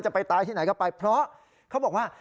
ไปตายที่ไหนก็ไปเพราะเขาบอกว่า